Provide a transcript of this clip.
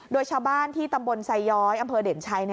โดยชาวบ้านที่ตำบลไซย้อยอำเภอเด่นชัย